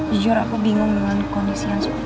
jujur aku bingung dengan kondisi yang seperti ini